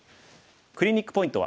クリニックポイントは。